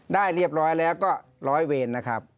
ได้เรียบร้อยแล้วก็ร้อยเวรนะครับ